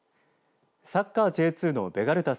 サッカーＪ２のベガルタ